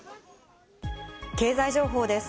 経済情報です。